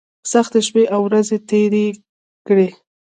سختۍ شپې او ورځې تېرې کړې.